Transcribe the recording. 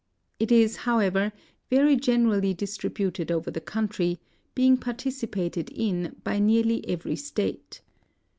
It is, however, very generally distributed over the country, being I)articipated in by nearly every state.